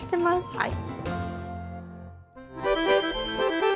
はい。